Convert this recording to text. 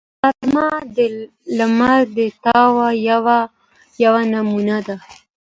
غرمه د لمر د تاو یوه نمونه ده